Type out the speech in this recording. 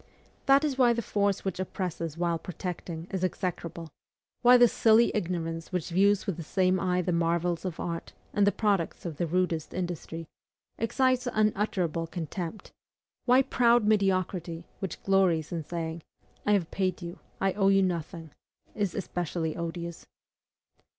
That is why the force which oppresses while protecting is execrable; why the silly ignorance which views with the same eye the marvels of art, and the products of the rudest industry, excites unutterable contempt; why proud mediocrity, which glories in saying, "I have paid you I owe you nothing," is especially odious.